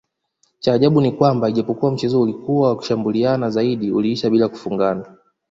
Cha ajabu ni kwamba ijapokua mchezo ulikua wa kushambuliana zaidi uliisha bila kufungana